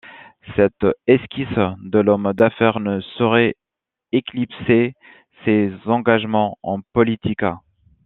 Cette esquisse de l’homme d’affaires ne saurait éclipser ses engagements en politique.